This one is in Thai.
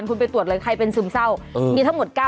คุณไปหาหมอเลยค่ะดิฉันก็ไปหาหมอหรอ